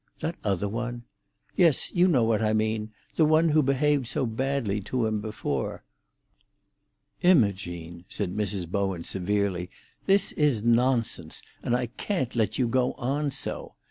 "That other one?" "Yes; you know what I mean: the one who behaved so badly to him before." "Imogene!" said Mrs. Bowen severely, "this is nonsense, and I can't let you go on so.